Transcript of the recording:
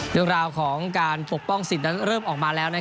เรื่องราวของการปกป้องสิทธิ์นั้นเริ่มออกมาแล้ว